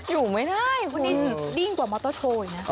อยู่ไม่ได้วันนี้ดิ้งกว่ามอเตอร์โชว์อีกนะ